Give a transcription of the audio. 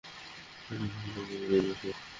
এখানে প্রতিদিন আসো?